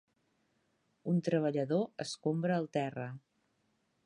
Un treballador escombra el terra.